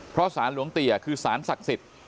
เพราะสารหลวงเตียคือสารศักดิ์สิทธิ์